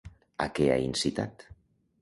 A què ha incitat?